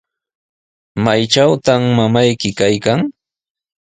¿Maytrawtaq mamayki kawan?